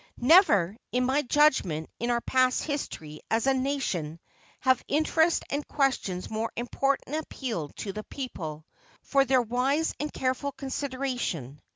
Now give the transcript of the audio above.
Never, in my judgment, in our past history as a nation, have interests and questions more important appealed to the people for their wise and careful consideration.